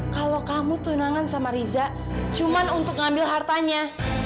kalau kamu tunangan sama riza cuma untuk mengambil hartanya